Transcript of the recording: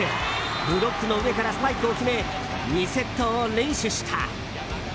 ブロックの上からスパイクを決め２セットを連取した。